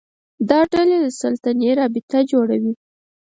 دا ډلې له سلطې رابطه جوړوي